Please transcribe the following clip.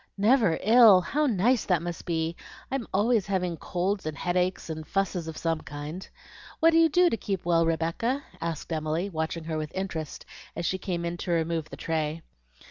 "Never ill! how nice that must be! I'm always having colds and headaches, and fusses of some kind. What do you do to keep well, Rebecca?" asked Emily, watching her with interest, as she came in to remove the tray.